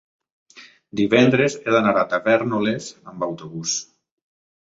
divendres he d'anar a Tavèrnoles amb autobús.